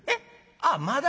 あっまだ？